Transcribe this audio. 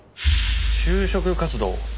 就職活動？